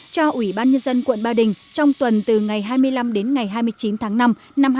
cho ubnd quận ba đình trong tuần từ ngày hai mươi năm đến ngày hai mươi chín tháng năm năm hai nghìn hai mươi